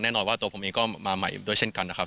แน่นอนว่าตัวผมเองก็มาใหม่ด้วยเช่นกันนะครับ